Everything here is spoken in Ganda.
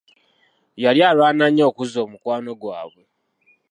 Yali alwana nnyo okuzza omukwano gwabwe.